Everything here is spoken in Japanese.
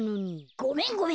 ごめんごめん。